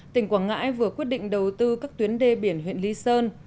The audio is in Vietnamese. tỉnh quảng ngãi vừa quyết định đầu tư các tuyến đê biển huyện lý sơn